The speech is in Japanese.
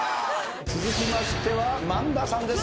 続きましては萬田さんです。